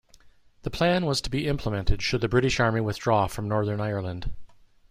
The plan was to be implemented should the British Army withdraw from Northern Ireland.